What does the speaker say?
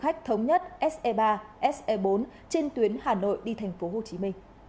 khách thống nhất se ba se bốn trên tuyến hà nội đi tp hcm